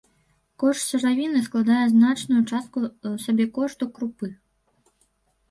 Кошт сыравіны складае значную частку сабекошту крупы.